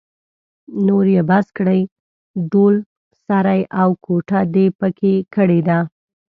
نور يې بس کړئ؛ ډول سری او ګوته دې په کې کړې ده.